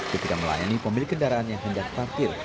ketika melayani pemilik kendaraan yang hendak parkir